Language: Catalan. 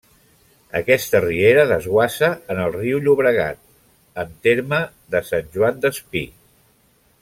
Aquesta riera desguassa en el riu Llobregat en terme de Sant Joan Despí.